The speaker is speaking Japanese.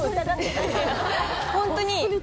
ホントに。